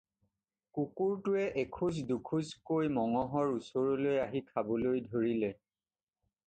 কুকুৰটোৱে এখোজ দোখোজ কৈ মঙহৰ ওচৰলৈ আহি খাবলৈ ধৰিলে।